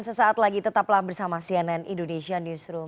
sesaat lagi tetaplah bersama cnn indonesia newsroom